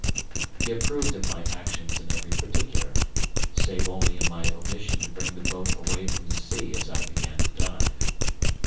He approved of my actions in every particular, save only in my omission to bring the boat away from the sea as I began to dive.